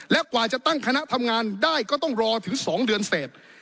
และกว่าจะตั้งคณะทำงานได้ก็ต้องรอถึง๒เดือนเสร็จ